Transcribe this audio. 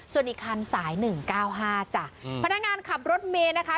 ส่วนอีกคันสายหนึ่งเก้าห้าจ้ะพนักงานขับรถเมย์นะคะ